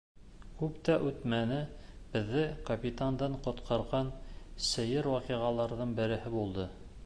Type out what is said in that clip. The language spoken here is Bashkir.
Күп тә үтмәне, беҙҙе капитандан ҡотҡарған сәйер ваҡиғаларҙың береһе булды.